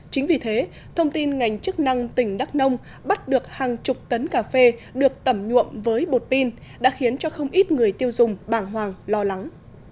chính vì thế thông tin ngành chức năng tỉnh đắk nông bắt được hàng chục tấn cà phê được tẩm nhuộm với bột pin đã khiến cho không ít người tiêu dùng bàng hoàng lo lắng